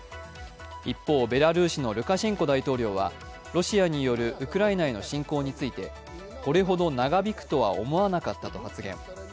一方、ベラルーシのルカシェンコ大統領は、ロシアによるウクライナへの侵攻についてこれほど長引くとは思わなかったと発言。